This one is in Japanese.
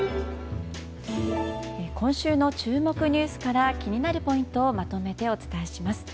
今週の注目ニュースから気になるポイントをまとめてお伝えします。